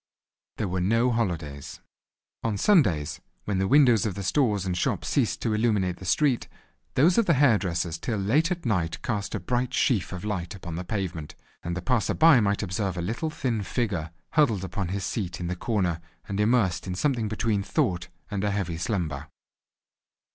There were no holidays. On Sundays, when the windows of the stores and shops ceased to illuminate the street, those of the hair dresser's till late at night cast a bright sheaf of light upon the pavement, and the passer by might observe a little thin figure huddled upon his seat in the corner, and immersed in something between thought and a heavy slumber.